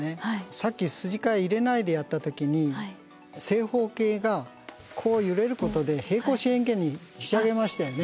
さっき筋交い入れないでやった時に正方形がこう揺れることで平行四辺形にひしゃげましたよね。